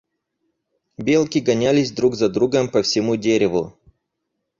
Белки гонялись друг за другом по всему дереву.